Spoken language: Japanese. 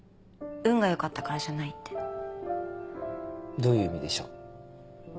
どういう意味でしょう？